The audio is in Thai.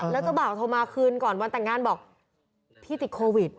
แล้วเจ้าบ่าวโทรมาคืนก่อนวันแต่งงานบอกพี่ติดโควิด